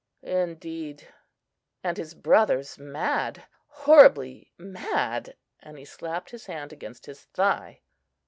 "Indeed!" "And his brother's mad!—horribly mad!" and he slapped his hand against his thigh.